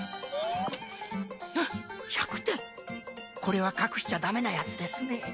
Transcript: １００点これは隠しちゃダメなやつですね。